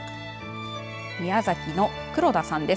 宮崎の黒田さんです。